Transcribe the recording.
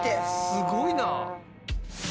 すごいな。